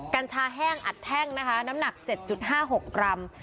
กัญชาแห้งอัดแห้งนะคะน้ำหนักเจ็ดจุดห้าหกกรัม